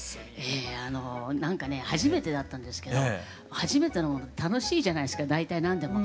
何かね初めてだったんですけど初めての楽しいじゃないですか大体何でも。